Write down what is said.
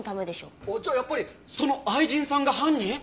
じゃあやっぱりその愛人さんが犯人？